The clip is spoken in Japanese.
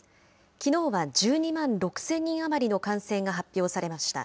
きのうは１２万６０００人余りの感染が発表されました。